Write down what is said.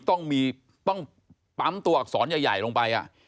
ต้องปั๊มตัวอักษรใหญ่ลงไป